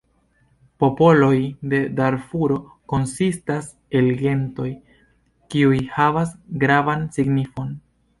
Popoloj de Darfuro konsistas el gentoj, kiuj havas gravan signifon.